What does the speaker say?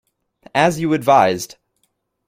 As you advised.